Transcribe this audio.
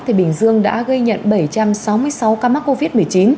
thì bình dương đã ghi nhận bảy trăm sáu mươi sáu ca mắc covid một mươi chín